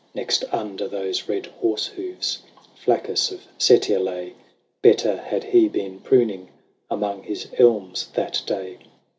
Next under those red horse hoofs Flaccus of Setia lay ; Better had he been pruning Among his elms that day.